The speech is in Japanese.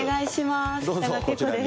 北川景子です。